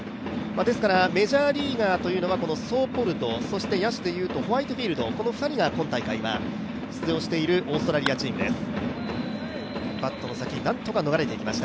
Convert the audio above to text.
ですからメジャーリーガーというのはソーポルド、ホワイトフィールドの２人が今大会は出場しているオーストラリアチームです。